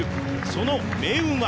その命運は。